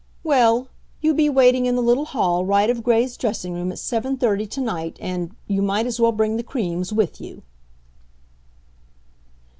"Well, you be waiting in the little hall, right of Gray's dressing room at seven thirty to night and you might as well bring the creams with you."